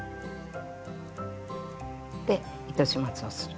で糸始末をする。